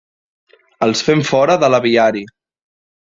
Els fem fora de l'aviari.